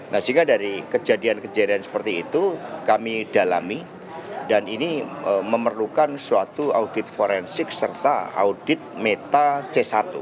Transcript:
nah sehingga dari kejadian kejadian seperti itu kami dalami dan ini memerlukan suatu audit forensik serta audit meta c satu